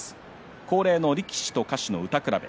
恒例の力士と歌手の歌くらべ。